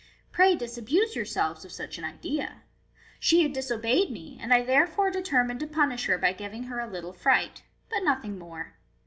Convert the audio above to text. Pray disabuse yourselves of such an idea. She had disobeyed me, and I therefore determined to punish her by giving her a little fright ; but nothing more.